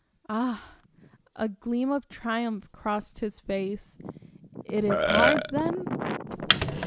"Ah!" A gleam of triumph crossed his face. "It is hard, then?"